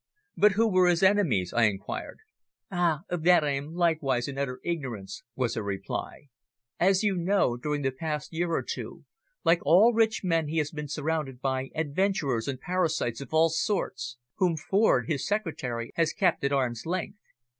"But who were his enemies?" I inquired. "Ah! of that I am likewise in utter ignorance," was her reply. "As you know, during the past year or two, like all rich men he has been surrounded by adventurers and parasites of all sorts, whom Ford, his secretary, has kept at arm's length.